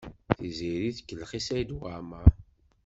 Tiziri tkellex i Saɛid Waɛmaṛ.